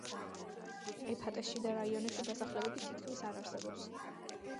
ეფატეს შიდა რაიონებში დასახლებები თითქმის არ არსებობს.